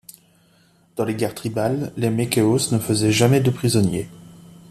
Dans les guerres tribales, les Mékéos ne faisaient jamais de prisonnier.